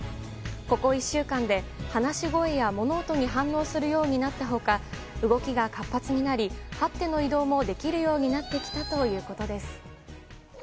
ここ１週間で、話し声や物音に反応するようになった他動きが活発になりはっての移動もできるようになってきたということです。